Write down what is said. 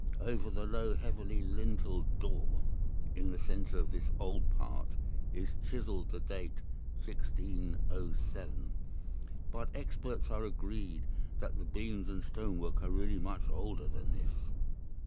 Over the low, heavily lintelled door, in the centre of this old part, is chiseled the date, 1607, but experts are agreed that the beams and stonework are really much older than this.